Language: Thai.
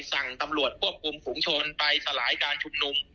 สั่งตำรวจควบคุมฝุงชนไปสลายการชุมนุม